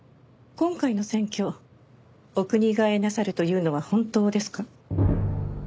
今回の選挙お国替えなさるというのは本当ですか？